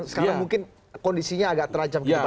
sekarang mungkin kondisinya agak terancam